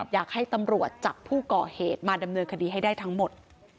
อยากให้ตำรวจจับผู้ก่อเหตุมาดำเนินคดีให้ได้ทั้งหมด